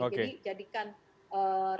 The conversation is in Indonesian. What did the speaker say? jadi jadikan rapid test ini maksudnya